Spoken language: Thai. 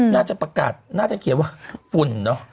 น่าจะประกาศน่าจะเขียนว่าฝุ่นเนอะ